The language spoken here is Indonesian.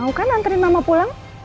mau kan nganterin mama pulang